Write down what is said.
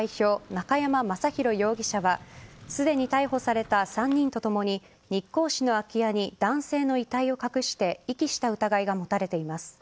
中山正弘容疑者はすでに逮捕された３人とともに日光市の空き家に男性の遺体を隠して遺棄した疑いが持たれています。